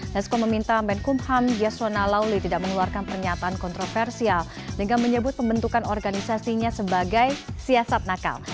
dasko meminta benkumham jeswana lawli tidak meneluarkan pernyataan kontroversial dengan menyebut pembentukan organisasinya sebagai siasat nakal